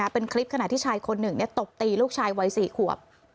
เป็นคลิปขณะที่ชายคนหนึ่งตบตีลูกชายวัย๔ขวบ